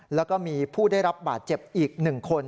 แล้วก็มีผู้ได้รับบาดเจ็บอีก๑คน